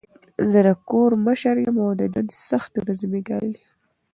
زه د کور مشر یم او د ژوند سختې ورځي مې ګاللي.